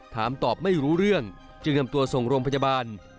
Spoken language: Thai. ถามตอบไม่รู้เรื่องจึงนำตัวส่งโรงพยาบาล